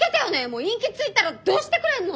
もうインキついたらどうしてくれんの！？